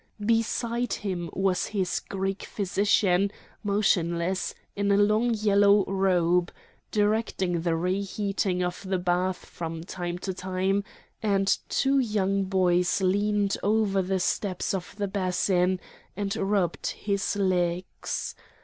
Beside him was his Greek physician, motionless, in a long yellow robe, directing the re heating of the bath from time to time, and two young boys leaned over the steps of the basin and rubbed his legs.